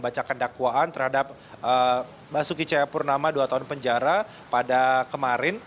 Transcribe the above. bacakan dakwaan terhadap basuki cahayapurnama dua tahun penjara pada kemarin